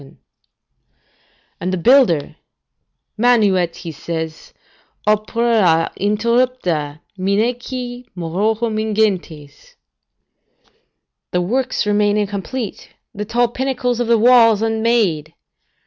] And the builder, "Manuet," says he, "opera interrupta, minaeque Murorum ingentes." ["The works remain incomplete, the tall pinnacles of the walls unmade."